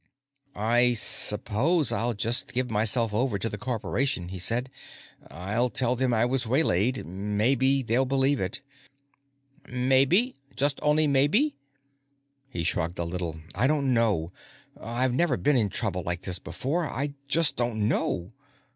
"I suppose I'll just give myself over to the Corporation," he said. "I'll tell them I was waylaid maybe they'll believe it." "Maybe? Just only maybe?" He shrugged a little. "I don't know. I've never been in trouble like this before. I just don't know."